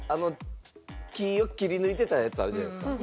木を切り抜いてたやつあるじゃないですか。